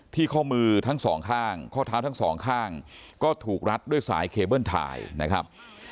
ข้อมือทั้งสองข้างข้อเท้าทั้งสองข้างก็ถูกรัดด้วยสายเคเบิ้ลถ่ายนะครับ